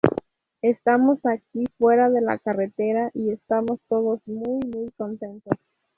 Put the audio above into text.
Estamos aquí fuera en la carretera y estamos todos muy, muy contentos".